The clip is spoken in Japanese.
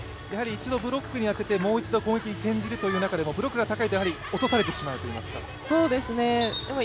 一度ブロックに当ててもう一度攻撃に転じるとしてもブロックが高いと落とされてしまうといいますか。